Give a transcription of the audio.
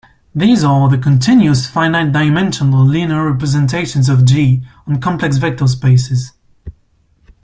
These are the continuous finite-dimensional linear representations of "G" on complex vector spaces.